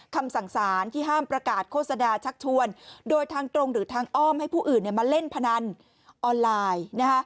คำสั่งสารที่ห้ามประกาศโฆษณาชักชวนโดยทางตรงหรือทางอ้อมให้ผู้อื่นมาเล่นพนันออนไลน์